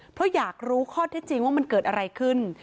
เพราะอยากรู้ข้อเท็จจริงว่ามันเกิดอะไรขึ้น